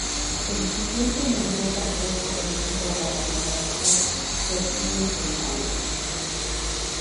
El siguiente mayor paso fue hecho por la matemática Sophie Germain.